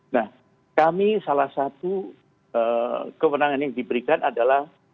nah kami salah satu kewenangan yang diberikan adalah